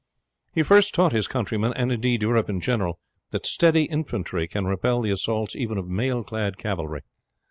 He first taught his countrymen, and indeed Europe in general, that steady infantry can repel the assaults even of mailclad cavalry.